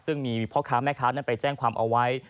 ซึ่งมีพ่อค้าแม่ค้านั้นไปแจ้งความเอาไว้